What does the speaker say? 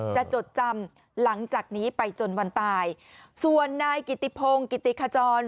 จดจำหลังจากนี้ไปจนวันตายส่วนนายกิติพงศ์กิติขจร